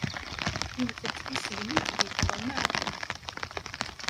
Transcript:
Yewwet-d tisegnit deg teɣma.